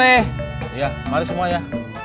iya mari semua ya